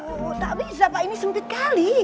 oh tak bisa pak ini sempit kali